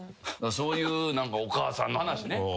そういう何かお母さんの話ね。